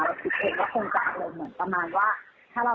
เราคิดว่าคงจะเหมือนประมาณว่า